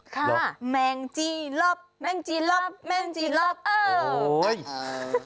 ค่ะแมงจี้หลบแมงจี้หลบแมงจี้หลบโอ้โฮ